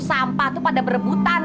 sampah tuh pada berebutan